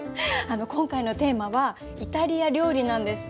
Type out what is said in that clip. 今回のテーマは「イタリア料理」なんです。